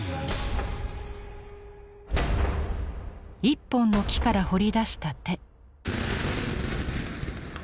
一本の木から彫り出した手。